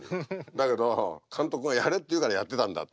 だけど監督がやれっていうからやってたんだって。